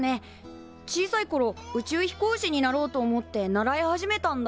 小さいころ宇宙飛行士になろうと思って習い始めたんだ。